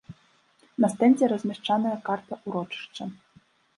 На стэндзе размешчаная карта ўрочышча.